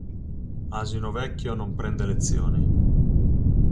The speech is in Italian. Asino vecchio non prende lezioni.